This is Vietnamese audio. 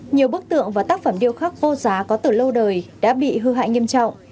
nhiều bức tượng và tác phẩm điêu khắc vô giá có từ lâu đời đã bị hư hại nghiêm trọng